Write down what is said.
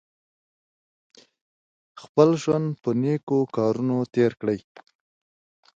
خپل ژوند په نېکو کارونو تېر کړئ.